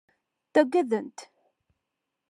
Ttagaden-tt.